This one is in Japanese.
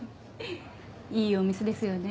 いいお店ですよね。